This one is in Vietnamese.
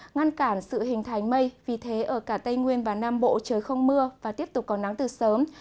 ngăn cản sự hình thành mây vì thế ở cả tây nguyên và nam bộ trời không mưa và tiếp tục có nắng từ sớm